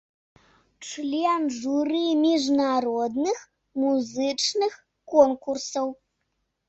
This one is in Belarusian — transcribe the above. Член журы міжнародных музычных конкурсаў.